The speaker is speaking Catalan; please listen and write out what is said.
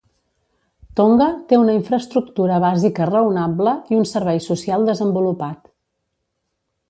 Tonga té una infraestructura bàsica raonable i un servei social desenvolupat.